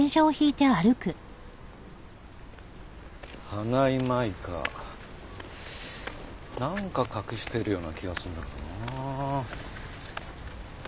花井舞香なんか隠してるような気がするんだがなあ。